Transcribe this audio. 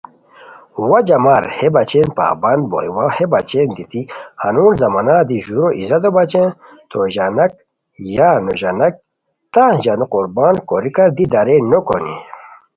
وا جمار ہے بچین پابند بوئے وا ہے بچین دیتی ہنون زمانا دی ژورو عزتو بچین تو ژانا ک یا نو ژانا ک تان ژانو قربان کوریکار دی دریع نو کونی